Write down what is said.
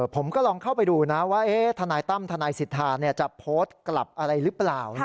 ผมก็ลองเข้าไปดูนะว่าทนายตั้มทนายสิทธาจะโพสต์กลับอะไรหรือเปล่า